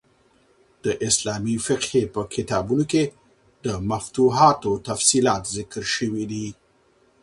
د اسلامي فقهي په کتابو کښي د مفتوحانو تفصیلات ذکر سوي دي.